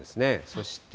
そして。